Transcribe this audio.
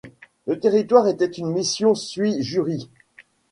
Le territoire était une Mission sui juris.